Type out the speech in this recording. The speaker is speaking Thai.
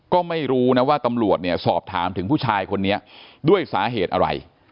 ก็ไม่รู้นะว่าตำรวจเนี่ยสอบถามถึงผู้ชายคนนี้ด้วยสาเหตุอะไร